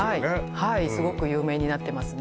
はいすごく有名になってますね